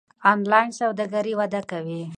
انلاین سوداګري وده کوي.